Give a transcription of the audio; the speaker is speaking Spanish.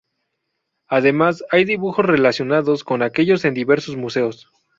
Además hay dibujos relacionados con aquellos en diversos museos.